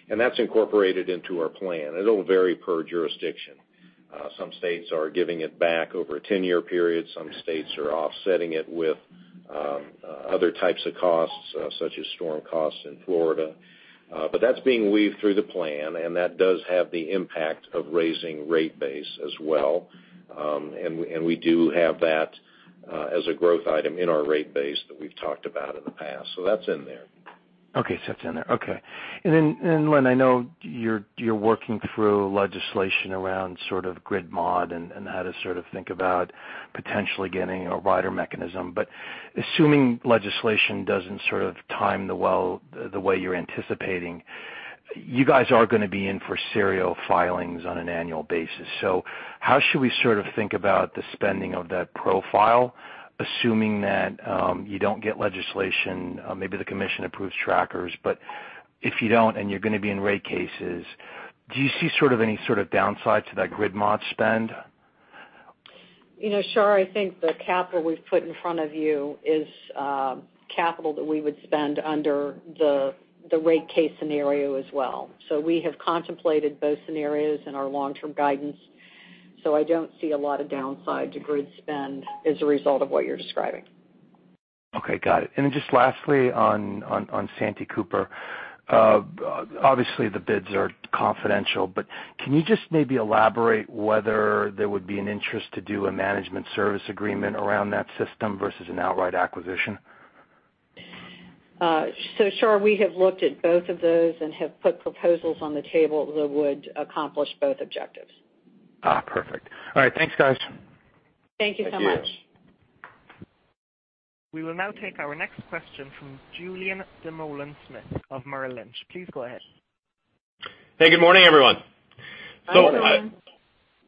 and that's incorporated into our plan. It'll vary per jurisdiction. Some states are giving it back over a 10-year period. Some states are offsetting it with other types of costs, such as storm costs in Florida. That's being weaved through the plan, and that does have the impact of raising rate base as well. We do have that as a growth item in our rate base that we've talked about in the past. That's in there. Okay. That's in there. Okay. Then, Lynn, I know you're working through legislation around sort of grid modernization and how to sort of think about potentially getting a rider mechanism. Assuming legislation doesn't sort of time the way you're anticipating, you guys are going to be in for serial filings on an annual basis. How should we sort of think about the spending of that profile, assuming that you don't get legislation? Maybe the commission approves trackers, but if you don't and you're going to be in rate cases, do you see any sort of downsides to that grid modernization spend? Sure. I think the capital we've put in front of you is capital that we would spend under the rate case scenario as well. We have contemplated both scenarios in our long-term guidance, I don't see a lot of downside to grid spend as a result of what you're describing. Okay. Got it. Just lastly on Santee Cooper. Obviously, the bids are confidential, can you just maybe elaborate whether there would be an interest to do a management service agreement around that system versus an outright acquisition? Sure. We have looked at both of those and have put proposals on the table that would accomplish both objectives. Perfect. All right. Thanks, guys. Thank you so much. Thank you. We will now take our next question from Julien Dumoulin-Smith of Merrill Lynch. Please go ahead. Hey, good morning, everyone. Morning.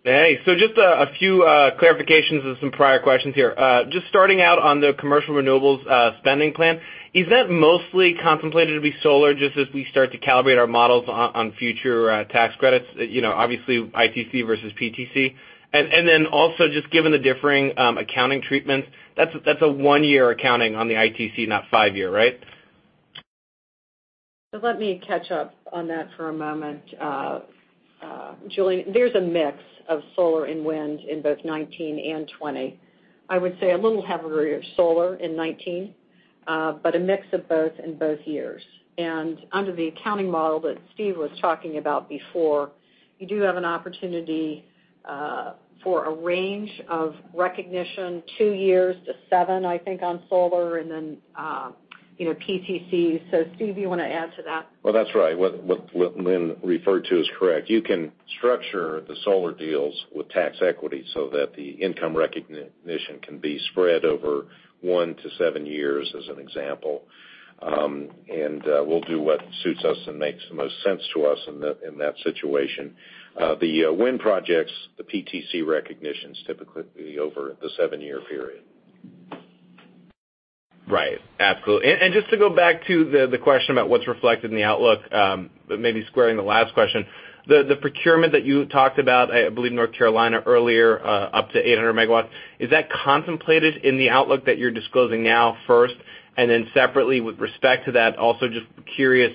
Hey. Just a few clarifications of some prior questions here. Just starting out on the commercial renewables spending plan, is that mostly contemplated to be solar, just as we start to calibrate our models on future tax credits? Obviously, ITC versus PTC. And then also just given the differing accounting treatments, that's a 1-year accounting on the ITC, not 5-year, right? Let me catch up on that for a moment. Julien, there's a mix of solar and wind in both 2019 and 2020. I would say a little heavier solar in 2019, but a mix of both in both years. Under the accounting model that Steve was talking about before, you do have an opportunity for a range of recognition, 2 years to 7, I think, on solar, and then PTC. Steve, you want to add to that? Well, that's right. What Lynn referred to is correct. You can structure the solar deals with tax equity so that the income recognition can be spread over 1 to 7 years, as an example. We'll do what suits us and makes the most sense to us in that situation. The wind projects, the PTC recognition's typically over the seven-year period. Right. Absolutely. Just to go back to the question about what's reflected in the outlook, maybe squaring the last question, the procurement that you talked about, I believe North Carolina earlier, up to 800 MW, is that contemplated in the outlook that you're disclosing now first? Then separately with respect to that, also just curious,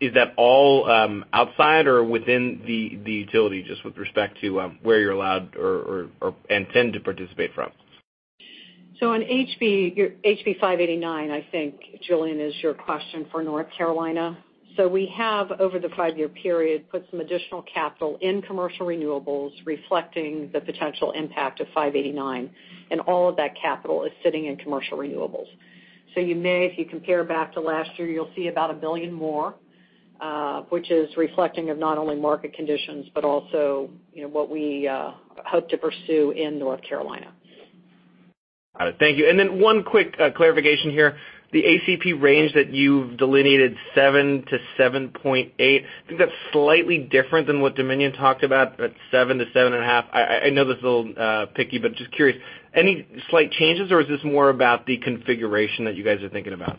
is that all outside or within the utility, just with respect to where you're allowed or intend to participate from? On HB 589, I think, Julien, is your question for North Carolina. We have, over the five-year period, put some additional capital in commercial renewables reflecting the potential impact of 589, and all of that capital is sitting in commercial renewables. You may, if you compare back to last year, you'll see about $1 billion more, which is reflecting of not only market conditions but also what we hope to pursue in North Carolina. Got it. Thank you. One quick clarification here. The ACP range that you've delineated, seven to 7.8, I think that's slightly different than what Dominion talked about, that seven to seven and a half. I know this is a little picky, but just curious, any slight changes, or is this more about the configuration that you guys are thinking about?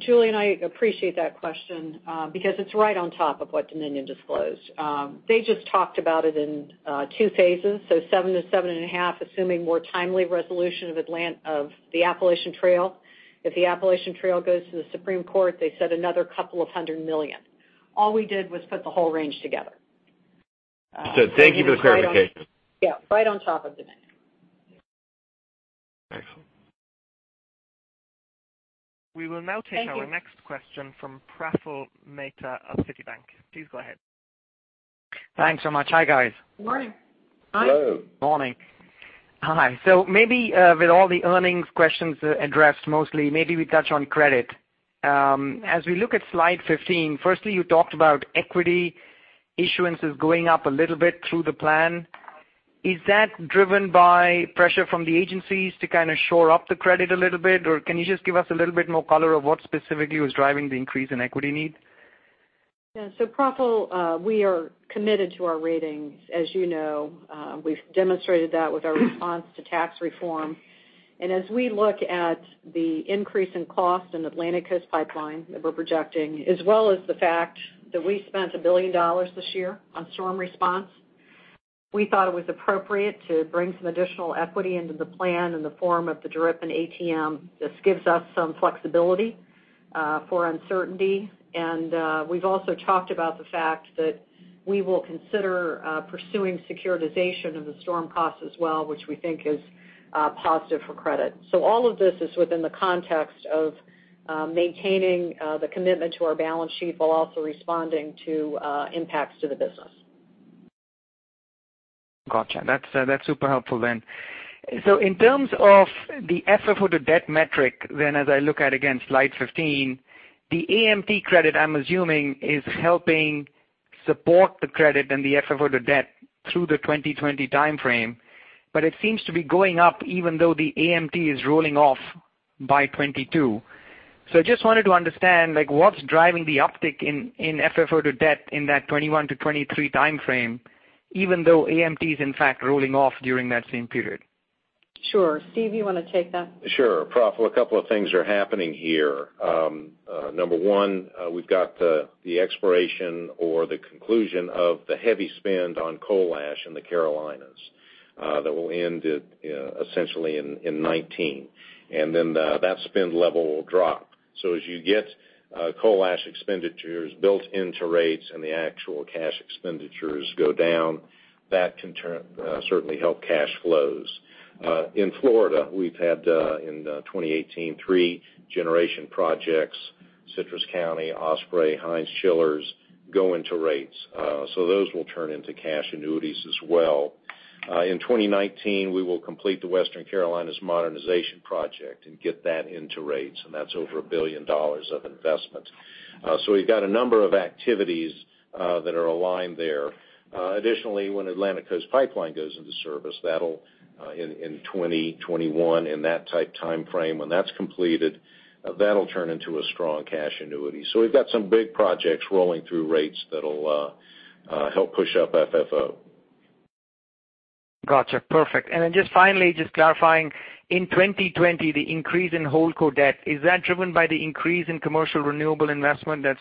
Julien, I appreciate that question because it's right on top of what Dominion disclosed. They just talked about it in two phases, seven to seven and a half, assuming more timely resolution of the Appalachian Trail. If the Appalachian Trail goes to the Supreme Court, they said another couple of hundred million. All we did was put the whole range together. Thank you for the clarification. Yeah, right on top of Dominion. Excellent. We will now take our next question from Praful Mehta of Citigroup. Please go ahead. Thanks so much. Hi, guys. Morning. Hello. Morning. Hi. Maybe with all the earnings questions addressed mostly, maybe we touch on credit. As we look at slide 15, firstly, you talked about equity issuances going up a little bit through the plan. Is that driven by pressure from the agencies to kind of shore up the credit a little bit? Or can you just give us a little bit more color of what specifically was driving the increase in equity need? Yeah. Praful, we are committed to our ratings. As you know, we've demonstrated that with our response to tax reform. As we look at the increase in cost in Atlantic Coast Pipeline that we're projecting, as well as the fact that we spent $1 billion this year on storm response, we thought it was appropriate to bring some additional equity into the plan in the form of the DRIP and ATM. This gives us some flexibility for uncertainty. We've also talked about the fact that we will consider pursuing securitization of the storm costs as well, which we think is positive for credit. All of this is within the context of maintaining the commitment to our balance sheet while also responding to impacts to the business. Gotcha. That's super helpful then. In terms of the FFO-to-debt metric then, as I look at, again, slide 15, the AMT credit, I'm assuming, is helping support the credit and the FFO-to-debt through the 2020 timeframe, but it seems to be going up even though the AMT is rolling off by 2022. I just wanted to understand what's driving the uptick in FFO-to-debt in that 2021-2023 timeframe, even though AMT is in fact rolling off during that same period. Sure. Steve, you want to take that? Sure. Praful, a couple of things are happening here. Number 1, we've got the expiration or the conclusion of the heavy spend on coal ash in the Carolinas, that will end essentially in 2019, and then that spend level will drop. As you get coal ash expenditures built into rates and the actual cash expenditures go down, that can certainly help cash flows. In Florida, we've had, in 2018, three generation projects, Citrus County, Osprey, Hines Chillers, go into rates. Those will turn into cash annuities as well. In 2019, we will complete the Western Carolinas Modernization Project and get that into rates, and that's over $1 billion of investment. We've got a number of activities that are aligned there. Additionally, when Atlantic Coast Pipeline goes into service, in 2021, in that type timeframe, when that's completed, that'll turn into a strong cash annuity. We've got some big projects rolling through rates that'll help push up FFO. Gotcha. Perfect. Then just finally, just clarifying, in 2020, the increase in holdco debt, is that driven by the increase in commercial renewable investment that's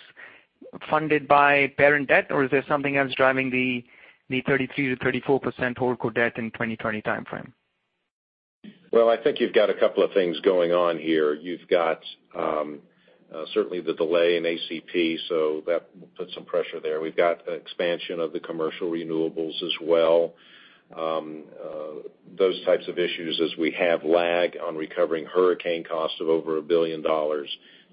funded by parent debt? Or is there something else driving the 33%-34% holdco debt in 2020 timeframe? I think you've got a couple of things going on here. You've got certainly the delay in ACP, that will put some pressure there. We've got expansion of the commercial renewables as well. Those types of issues as we have lag on recovering hurricane costs of over $1 billion,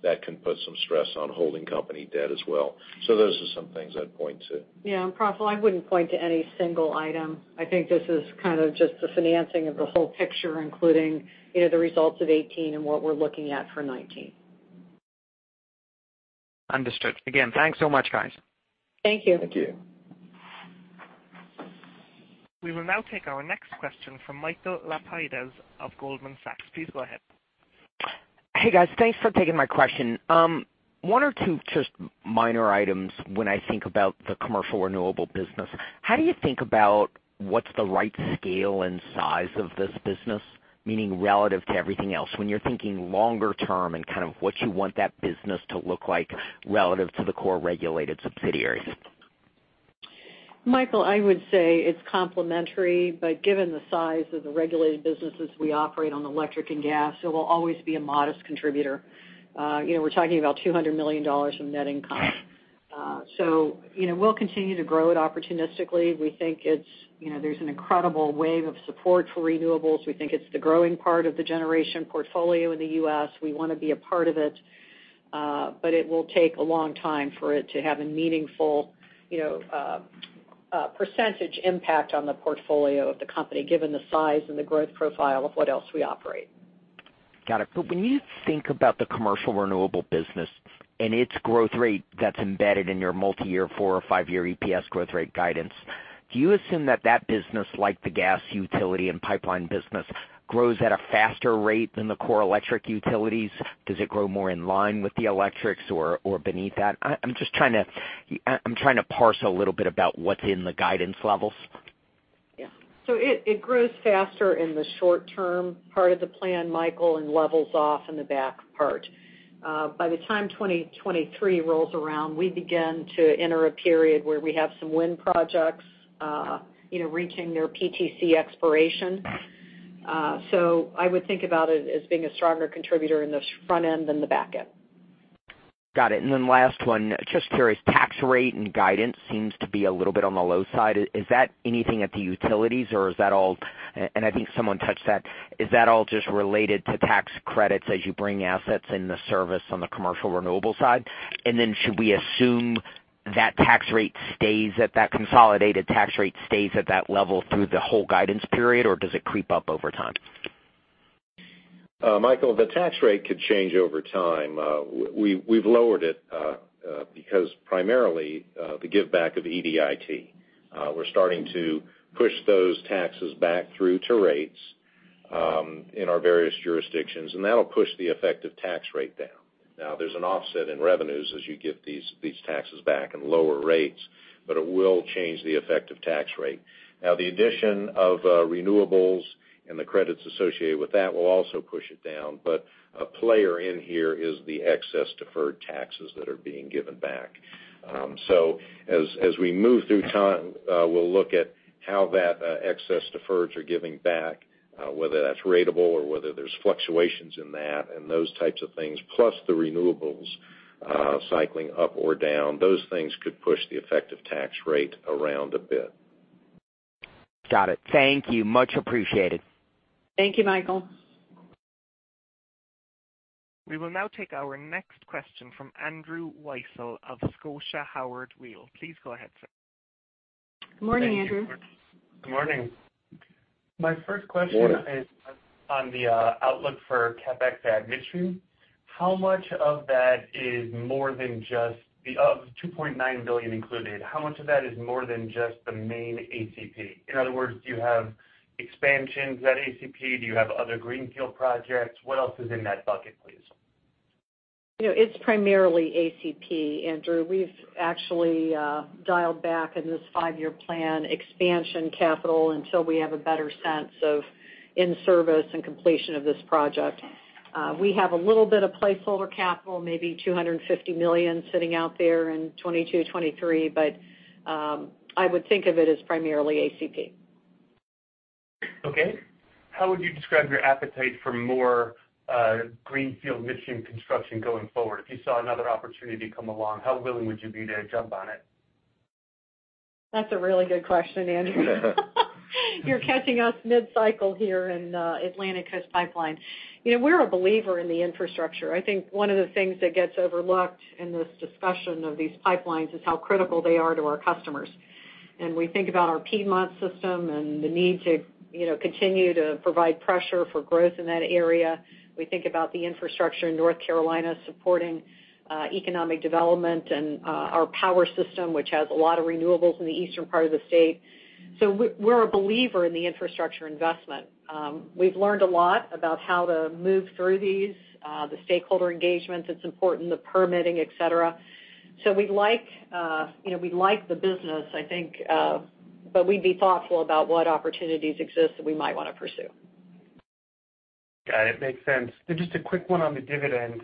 that can put some stress on holding company debt as well. Those are some things I'd point to. Praful, I wouldn't point to any single item. I think this is kind of just the financing of the whole picture, including the results of 2018 and what we're looking at for 2019. Understood. Again, thanks so much, guys. Thank you. Thank you. We will now take our next question from Michael Lapides of Goldman Sachs. Please go ahead. Hey, guys. Thanks for taking my question. One or two just minor items when I think about the commercial renewable business. How do you think about what's the right scale and size of this business, meaning relative to everything else? When you're thinking longer term and kind of what you want that business to look like relative to the core regulated subsidiaries. Michael, I would say it's complementary, but given the size of the regulated businesses we operate on electric and gas, it will always be a modest contributor. We're talking about $200 million in net income. We'll continue to grow it opportunistically. We think there's an incredible wave of support for renewables. We think it's the growing part of the generation portfolio in the U.S. We want to be a part of it. It will take a long time for it to have a meaningful percentage impact on the portfolio of the company, given the size and the growth profile of what else we operate. Got it. When you think about the commercial renewable business and its growth rate that's embedded in your multi-year four or five-year EPS growth rate guidance, do you assume that that business, like the gas utility and pipeline business, grows at a faster rate than the core electric utilities? Does it grow more in line with the electrics or beneath that? I'm trying to parse a little bit about what's in the guidance levels. Yeah. It grows faster in the short term part of the plan, Michael, and levels off in the back part. By the time 2023 rolls around, we begin to enter a period where we have some wind projects reaching their PTC expiration. I would think about it as being a stronger contributor in the front end than the back end. Got it. Last one, just curious, tax rate and guidance seems to be a little bit on the low side. Is that anything at the utilities? I think someone touched that, is that all just related to tax credits as you bring assets into service on the commercial renewable side? Should we assume that consolidated tax rate stays at that level through the whole guidance period, or does it creep up over time? Michael, the tax rate could change over time. We've lowered it because primarily the give back of EDIT. We're starting to push those taxes back through to rates in our various jurisdictions, that'll push the effective tax rate down. There's an offset in revenues as you give these taxes back and lower rates, it will change the effective tax rate. The addition of renewables and the credits associated with that will also push it down. A player in here is the excess deferred taxes that are being given back. As we move through time, we'll look at how that excess deferreds are giving back, whether that's ratable or whether there's fluctuations in that and those types of things, plus the renewables cycling up or down. Those things could push the effective tax rate around a bit. Got it. Thank you. Much appreciated. Thank you, Michael. We will now take our next question from Andrew Weisel of Scotiabank Howard Weil. Please go ahead, sir. Morning, Andrew. Good morning. My first question Morning is on the outlook for CapEx at Midstream. How much of that is more than just the of $2.9 billion included, how much of that is more than just the main ACP? In other words, do you have expansions at ACP? Do you have other greenfield projects? What else is in that bucket, please? It's primarily ACP, Andrew. We've actually dialed back in this five-year plan expansion capital until we have a better sense of in-service and completion of this project. We have a little bit of placeholder capital, maybe $250 million sitting out there in 2022, 2023, but I would think of it as primarily ACP. Okay. How would you describe your appetite for more greenfield midstream construction going forward? If you saw another opportunity come along, how willing would you be to jump on it? That's a really good question, Andrew. You're catching us mid-cycle here in Atlantic Coast Pipeline. We're a believer in the infrastructure. I think one of the things that gets overlooked in this discussion of these pipelines is how critical they are to our customers. We think about our Piedmont system and the need to continue to provide pressure for growth in that area. We think about the infrastructure in North Carolina supporting economic development and our power system, which has a lot of renewables in the eastern part of the state. We're a believer in the infrastructure investment. We've learned a lot about how to move through these, the stakeholder engagements, it's important, the permitting, et cetera. We like the business, I think, but we'd be thoughtful about what opportunities exist that we might want to pursue. Got it. Makes sense. Just a quick one on the dividend.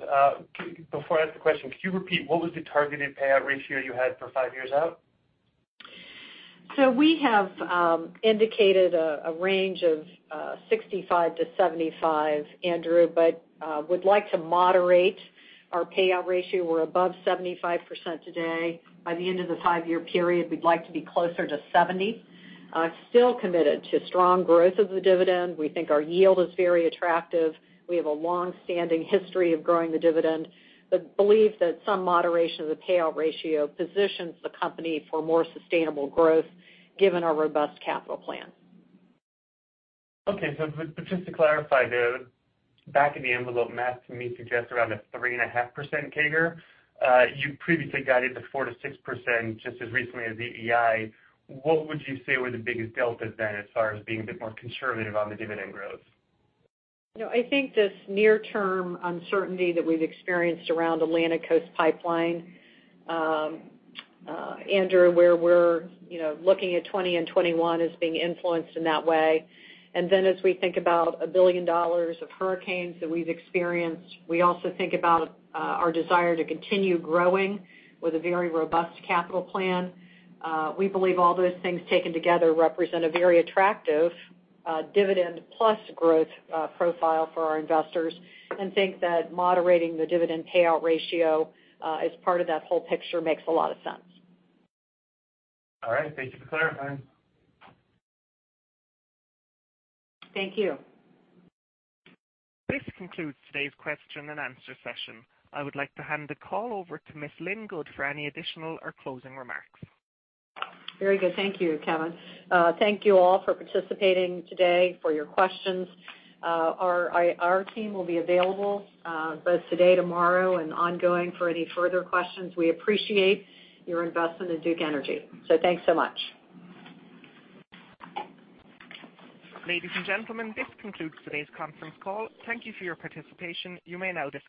Before I ask the question, could you repeat what was the targeted payout ratio you had for five years out? We have indicated a range of 65%-75%, Andrew, but would like to moderate our payout ratio. We're above 75% today. By the end of the five-year period, we'd like to be closer to 70%. Still committed to strong growth of the dividend. We think our yield is very attractive. We have a long-standing history of growing the dividend, believe that some moderation of the payout ratio positions the company for more sustainable growth given our robust capital plan. Just to clarify there, back of the envelope math to me suggests around a 3.5% CAGR. You previously guided to 4%-6% just as recently as the EEI. What would you say were the biggest deltas then as far as being a bit more conservative on the dividend growth? I think this near-term uncertainty that we've experienced around Atlantic Coast Pipeline, Andrew, where we're looking at 2020 and 2021 as being influenced in that way. As we think about $1 billion of hurricanes that we've experienced, we also think about our desire to continue growing with a very robust capital plan. We believe all those things taken together represent a very attractive dividend plus growth profile for our investors and think that moderating the dividend payout ratio as part of that whole picture makes a lot of sense. All right. Thank you for clarifying. Thank you. This concludes today's question and answer session. I would like to hand the call over to Ms. Lynn Good for any additional or closing remarks. Very good. Thank you, Kevin. Thank you all for participating today, for your questions. Our IR team will be available both today, tomorrow, and ongoing for any further questions. We appreciate your investment in Duke Energy, thanks so much. Ladies and gentlemen, this concludes today's conference call. Thank you for your participation. You may now disconnect.